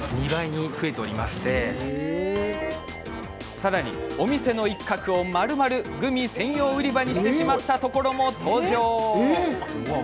さらに、お店の一角をまるまるグミ専用売り場にしてしまったところも登場。